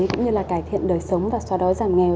cũng như là cải thiện đời sống và xóa đói giảm nghèo